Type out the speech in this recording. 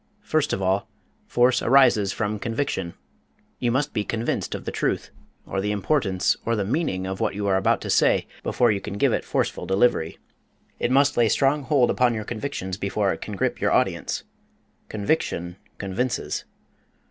First of all, force arises from conviction. You must be convinced of the truth, or the importance, or the meaning, of what you are about to say before you can give it forceful delivery. It must lay strong hold upon your convictions before it can grip your audience. Conviction convinces.